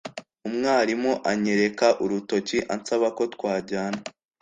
umwarimu anyereka urutoki ansaba ko twajyana